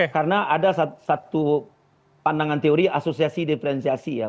karena ada satu pandangan teori asosiasi diferensiasi ya